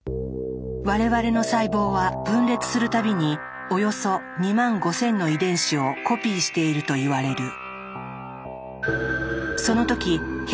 我々の細胞は分裂する度におよそ２５，０００の遺伝子をコピーしているといわれる。